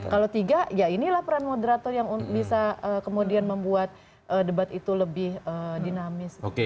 kalau tiga ya inilah peran moderator yang bisa kemudian membuat debat itu lebih dinamis